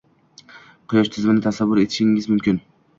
Quyosh tizimini tasavvur etishingiz mumkin: